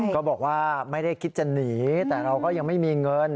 ก็บอกว่าไม่ได้คิดจะหนีแต่เราก็ยังไม่มีเงิน